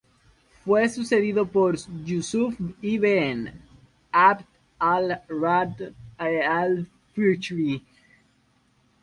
Fue sucedido por Yusuf ibn 'Abd al-Rahman al-Fihri.